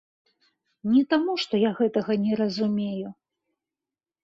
Не таму, што я гэтага не разумею.